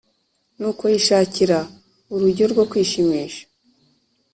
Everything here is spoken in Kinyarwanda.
Nuko yishakira urujyo rwo kwishimisha,